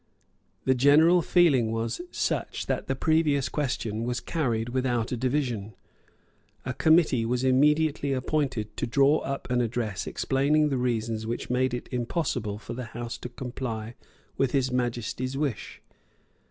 The general feeling was such that the previous question was carried without a division. A Committee was immediately appointed to draw up an address explaining the reasons which made it impossible for the House to comply with His Majesty's wish.